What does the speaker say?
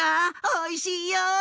おいしいよ！